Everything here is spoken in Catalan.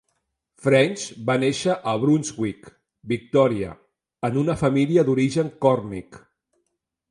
French va néixer a Brunswick, Victoria, en una família d'origen còrnic.